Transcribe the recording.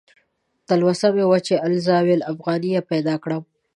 تلوسه مې وه چې "الزاویة الافغانیه" پیدا کړم.